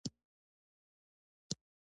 د انګرېزي ورځپاڼو رپوټونه دي.